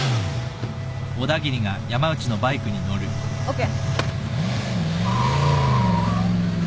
ＯＫ。